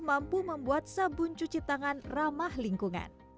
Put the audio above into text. mampu membuat sabun cuci tangan ramah lingkungan